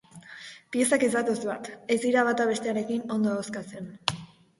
Piezak ez datoz bat, ez dira bata bestearekin ondo ahokatzen.